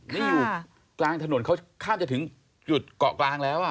อยู่กลางถนนเขาคาดจะถึงหยุดเกาะกลางแล้ว